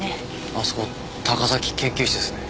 あそこ高崎研究室ですね。